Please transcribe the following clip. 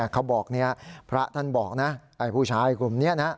เขาบอกพระท่านบอกนะไอ้ผู้ชายกลุ่มนี้นะ